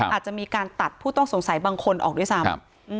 อาจจะมีการตัดผู้ต้องสงสัยบางคนออกด้วยซ้ำ